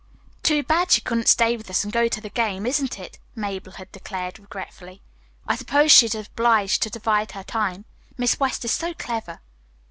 "Too bad she couldn't stay with us and go to the game, isn't it?" Mabel had declared regretfully. "I suppose she is obliged to divide her time. Miss West is so clever.